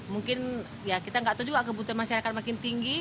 mungkin ya kita nggak tahu juga kebutuhan masyarakat makin tinggi